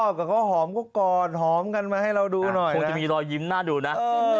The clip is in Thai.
นะพอกับเขาหอมก็ก่อนหอมกันมาให้เราดูหน่อยก็มีรอยยิมหน้าดูนะ